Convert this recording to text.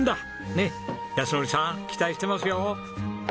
ねっ靖典さん期待してますよ！